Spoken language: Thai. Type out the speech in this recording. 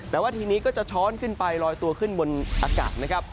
แต่ว่าทีนี้ก็จะช้อนขึ้นไปลอยตัวขึ้นบนอากาศนะครับ